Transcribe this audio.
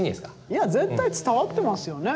いや絶対伝わってますよね。